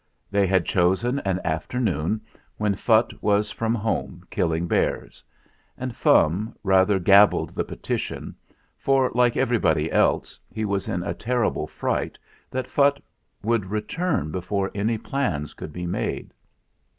They had chosen an afternoon when Phutt was from home killing bears; and Fum rather gabbled the petition, for, like everybody else, he was in a terrible fright that Phutt would return before any plans could be made.